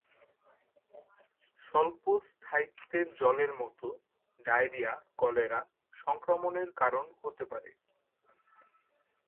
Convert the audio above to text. স্বল্প স্থায়িত্বের জলের মত ডায়রিয়া কলেরা সংক্রমণের কারণে হতে পারে।